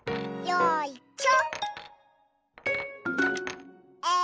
よいしょ。